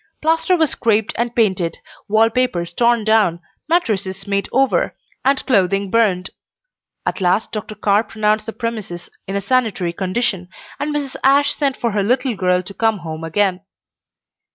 Plaster was scraped and painted, wall papers torn down, mattresses made over, and clothing burned. At last Dr. Carr pronounced the premises in a sanitary condition, and Mrs. Ashe sent for her little girl to come home again.